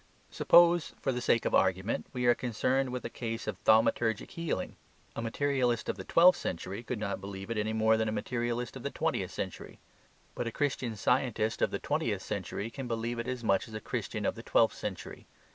Suppose, for the sake of argument, we are concerned with a case of thaumaturgic healing. A materialist of the twelfth century could not believe it any more than a materialist of the twentieth century. But a Christian Scientist of the twentieth century can believe it as much as a Christian of the twelfth century.